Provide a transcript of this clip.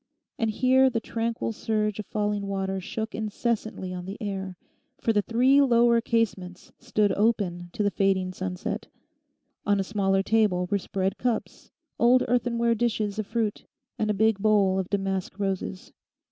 And here the tranquil surge of falling water shook incessantly on the air, for the three lower casements stood open to the fading sunset. On a smaller table were spread cups, old earthenware dishes of fruit, and a big bowl of damask roses.